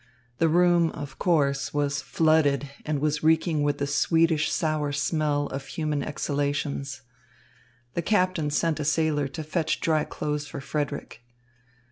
The room, of course, was flooded and was reeking with the sweetish sour smell of human exhalations. The captain sent a sailor to fetch dry clothes for Frederick.